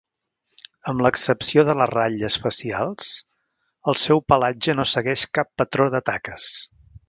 Amb l'excepció de les ratlles facials, el seu pelatge no segueix cap patró de taques.